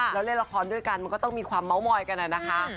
แล้วเล่นละครด้วยกันมันก็ต้องมีความเม้ามอยกันนะคะ